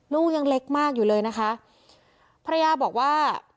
ลูกยังเล็กมากอยู่เลยนะคะภรรยาบอกว่า